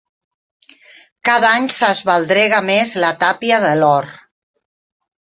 Cada any s'esbaldrega més la tàpia de l'hort.